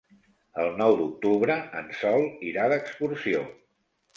El nou d'octubre en Sol irà d'excursió.